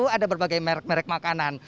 ada berbagai merek merek makanan